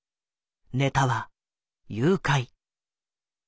ネタは「誘拐」。